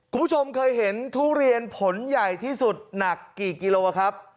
คุณผู้ชมเคยเห็นทุเรียนผลใหญ่ที่สุดหนักกี่กิโลครับ